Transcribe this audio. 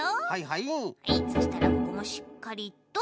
はいそしたらここもしっかりと。